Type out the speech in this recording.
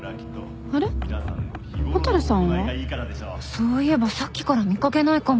そういえばさっきから見掛けないかも。